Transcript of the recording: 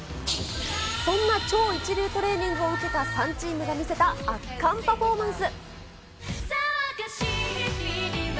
そんな超一流トレーニングを受けた３チームが見せた圧巻パフォーマンス。